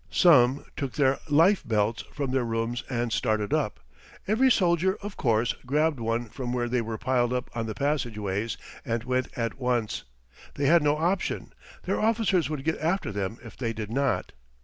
Some took their life belts from their rooms and started up. Every soldier, of course, grabbed one from where they were piled up in the passageways and went at once. They had no option. Their officers would get after them if they did not.